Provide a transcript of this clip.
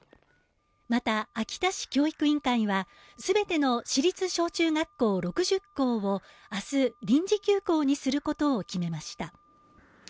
また、秋田市教育委員会は全ての私立小中学校６０校を明日、臨時休校にすることを決めました。